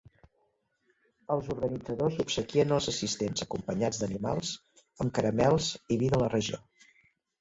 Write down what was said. Els organitzadors obsequien els assistents acompanyats d'animals amb caramels i vi de la regió.